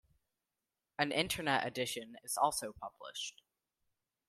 An Internet edition is also published.